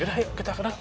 yaudah yuk kita kenal